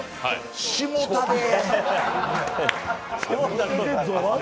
しもたでー。